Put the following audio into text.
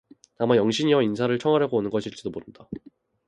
아마 영신이와 인사를 청하려고 오는 것인지도 모른다.